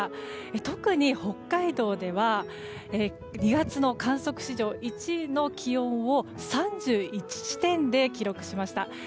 特に北海道では２月の観測史上１位の気温を３１地点で記録しました。